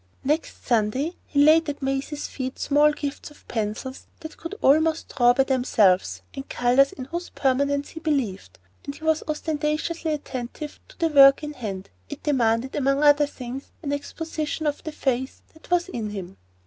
Next Sunday he laid at Maisie's feet small gifts of pencils that could almost draw of themselves and colours in whose permanence he believed, and he was ostentatiously attentive to the work in hand. It demanded, among other things, an exposition of the faith that was in him.